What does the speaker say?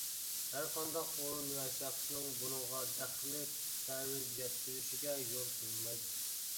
ھەرقانداق ئورۇن ۋە شەخسنىڭ بۇنىڭغا دەخلى-تەرۇز يەتكۈزۈشىگە يول قويۇلمايدۇ.